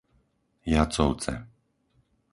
Jacovce